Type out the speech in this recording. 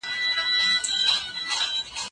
بدلونونه باید د خلګو په ګټه وي.